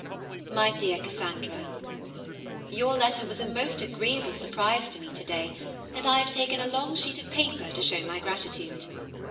MY DEAR CASSANDRA, Your letter was a most agreeable surprise to me to day, and I have taken a long sheet of paper to show my gratitude.